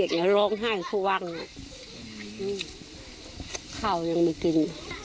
หนังมือก็เป็นกระโฮเหมือนกับแล้ว